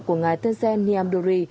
của ngài tân sên niêm đô ri